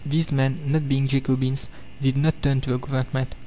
These men, not being Jacobins, did not turn to the Government.